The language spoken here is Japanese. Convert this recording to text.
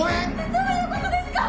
どういう事ですか！？